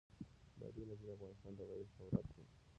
بادي انرژي د افغانستان طبعي ثروت دی.